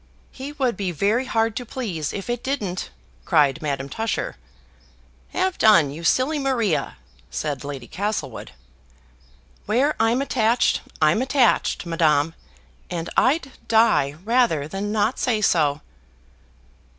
"He would be very hard to please if it didn't," cried Madame Tusher. "Have done, you silly Maria," said Lady Castlewood. "Where I'm attached, I'm attached, Madame and I'd die rather than not say so."